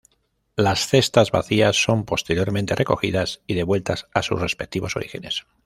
Las cestas vacías son posteriormente recogidas y devueltas a sus respectivos orígenes.